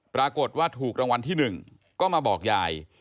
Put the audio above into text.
ปรากฏว่าถูกรางวัลที่๑ก็มาบอกยาย